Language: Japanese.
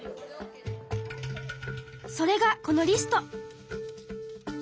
それがこのリスト。